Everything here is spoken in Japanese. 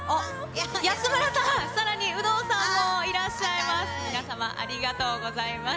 安村さん、さらに有働さんもいらっしゃいます。